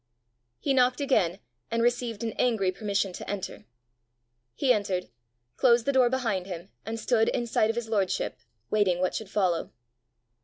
He knocked again, and received an angry permission to enter. He entered, closed the door behind him, and stood in sight of his lordship, waiting what should follow.